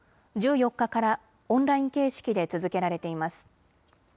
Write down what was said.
１４日からオンライン形式で続けられています。